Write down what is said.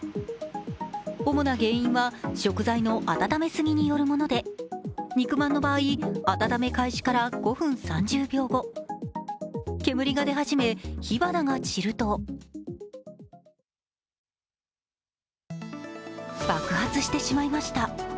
主な原因は食材の温め過ぎによるもので肉まんの場合、温め開始から５分３０秒後、煙が出始め、火花が散ると爆発してしまいました。